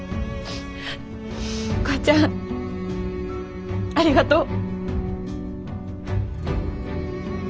お母ちゃんありがとう。